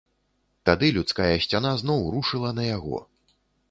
Тады людская сцяна зноў рушыла на яго.